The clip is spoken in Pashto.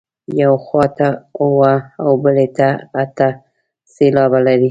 یوې خوا ته اووه او بلې ته اته سېلابه لري.